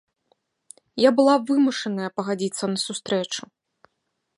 Я была вымушаная пагадзіцца на сустрэчу.